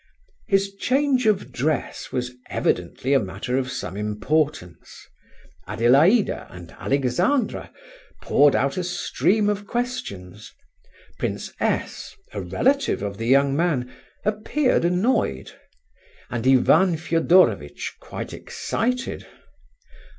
His change of dress was evidently a matter of some importance. Adelaida and Alexandra poured out a stream of questions; Prince S., a relative of the young man, appeared annoyed; and Ivan Fedorovitch quite excited.